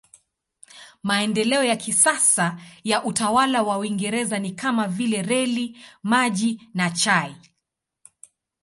Maendeleo ya kisasa ya utawala wa Uingereza ni kama vile reli, maji na chai.